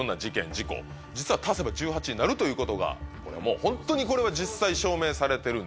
事故実は足せば１８になるということがホントにこれは実際証明されてるんです。